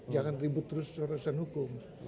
jangan ribut terus urusan hukum